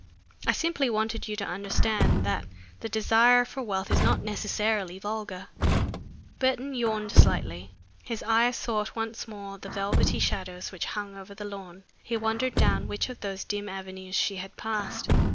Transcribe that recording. I simply wanted you to understand that the desire for wealth is not necessarily vulgar." Burton yawned slightly. His eyes sought once more the velvety shadows which hung over the lawn. He wondered down which of those dim avenues she had passed.